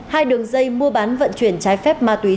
hai đường dây mua bán vận chuyển trái phép ma túy